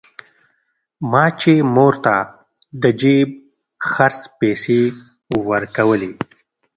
ما چې مور ته د جيب خرڅ پيسې ورکولې.